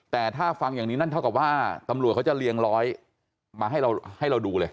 แต่ถ้าฟังอย่างนี้นั่นเท่ากับว่าตำรวจเขาจะเรียงร้อยมาให้เราดูเลย